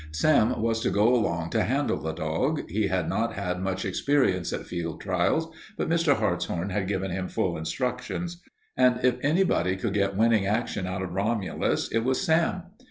Sam was to go along to handle the dog. He had not had much experience at field trials, but Mr. Hartshorn had given him full instructions, and if anybody could get winning action out of Romulus it was Sam.